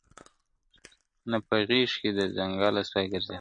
نه په غېږ کي د ځنګله سوای ګرځیدلای ..